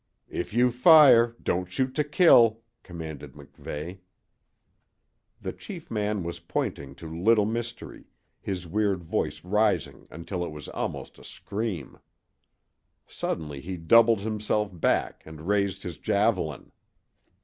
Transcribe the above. "If you fire don't shoot to kill!" commanded MacVeigh. The chief man was pointing to Little Mystery, his weird voice rising until it was almost a scream. Suddenly he doubled himself back and raised his javelin.